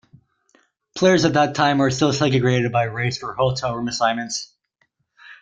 Players at that time were still segregated by race for hotel-room assignments.